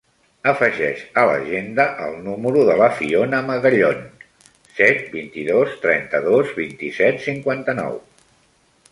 Afegeix a l'agenda el número de la Fiona Magallon: set, vint-i-dos, trenta-dos, vint-i-set, cinquanta-nou.